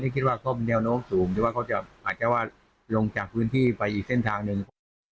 คิดว่าเขามีแนวโน้มสูงหรือว่าเขาจะอาจจะว่าลงจากพื้นที่ไปอีกเส้นทางหนึ่ง